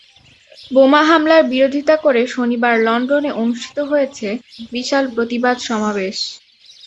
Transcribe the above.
বোমা হামলার বিরোধিতা করে শনিবার লন্ডনে অনুষ্ঠিত হয়েছে বিশাল প্রতিবাদ সমাবেশ।